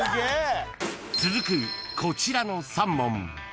［続くこちらの３問］